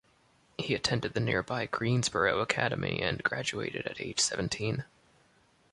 He attended the nearby Greensboro Academy and graduated at age seventeen.